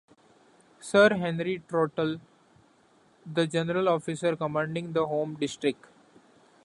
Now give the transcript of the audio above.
Sir Henry Trotter, the general officer commanding the home district.